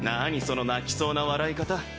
その泣きそうな笑い方。